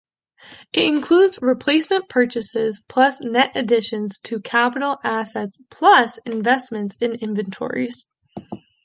It includes replacement purchases plus net additions to capital assets plus investments in inventories.